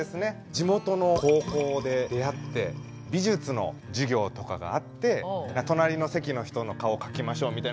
地元の高校で出会って美術の授業とかがあって隣の席の人の顔描きましょうみたいな時に。